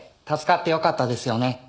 助かってよかったですよね。